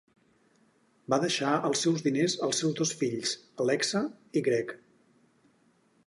Va deixar els seus diners als seus dos fills, Alexa i Greg.